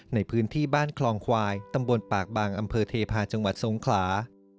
ในพื้นที่บ้านคลองควายตำบลปากบางอำเภอเทพาะจังหวัดสงขลา